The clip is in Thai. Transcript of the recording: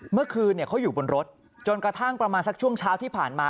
เมื่อคืนเขาอยู่บนรถจนกระทั่งประมาณสักช่วงเช้าที่ผ่านมา